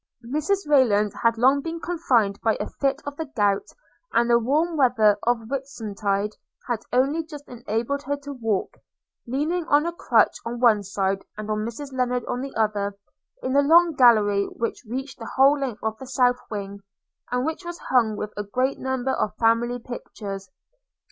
Mrs Rayland had been long confined by a fit of the gout; and the warm weather of Whitsuntide had only just enabled her to walk, leaning on a crutch on one side, and on Mrs Lennard on the other, in a long gallery which reached the whole length of the south wing, and which was hung with a great number of family pictures.